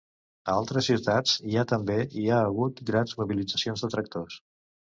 A altres ciutats hi ha també hi ha hagut grans mobilitzacions de tractors.